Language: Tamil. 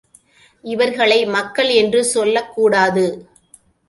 இவர்களை மக்கள் என்று சொல்லக்கூடாது.